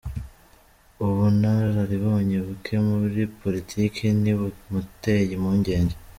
Ubunararibonye buke muri politiki ntibumuteye impungenge.